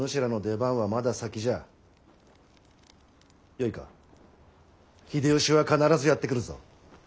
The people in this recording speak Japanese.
よいか秀吉は必ずやって来るぞ。